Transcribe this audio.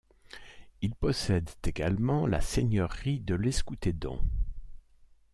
Ils possèdent également la seigneurie de l'Escoutedom.